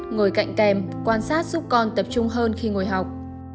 ngồi cạnh kèm quan sát giúp con tập trung hơn khi ngồi học